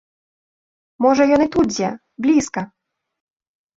Можа ён і тут дзе, блізка!